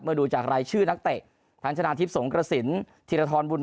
เมื่อดูจากรายชื่อนักเตะพันธนาทิพย์สงฆ์กระศิลป์ถีระทรบุญ